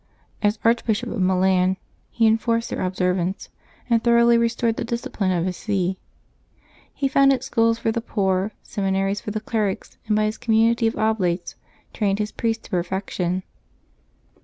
As Archbishop of Milan he enforced their observance, and thoroughly restored the discipline of his see. He founded schools for the poor, seminaries for the clerics, and by his community of Oblates trained his priests to perfection.